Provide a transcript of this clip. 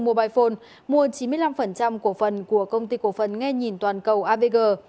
mobile phone mua chín mươi năm cổ phần của công ty cổ phần nghe nhìn toàn cầu avg